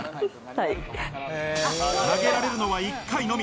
投げられるのは１回のみ。